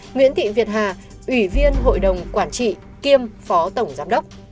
nguyễn thị việt hà ủy viên hội đồng quản trị kiêm phó tổng giám đốc